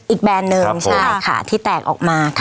อีกแบรนด์นึงใช่ค่ะที่แตกออกมาค่ะ